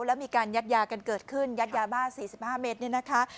แล้วมีการยัดยากันเกิดขึ้นยัดยาบ้าน๔๕เมตร